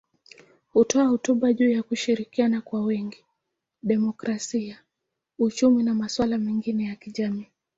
Hutoa hotuba juu ya kushirikiana kwa wingi, demokrasia, uchumi na masuala mengine ya kijamii.